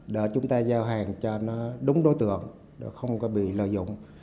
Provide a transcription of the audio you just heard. để chúng ta giao hàng cho nó đúng đối tượng không có bị lợi dụng